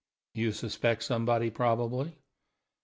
"You suspect somebody, probably?"